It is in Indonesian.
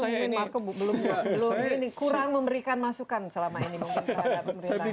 ini mungkin marko belum kurang memberikan masukan selama ini mungkin terhadap pemerintahan